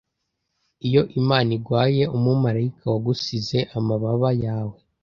Iyo Imana iguhaye umumarayika, wagusize amababa yawe.